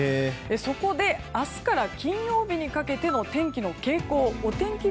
そこで明日から金曜日にかけての天気の傾向をお天気